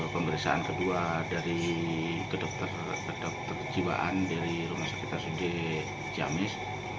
pemberhisaan kedua dari kedokter kedokter kejiwaan dari rumah sakit rasudih jamis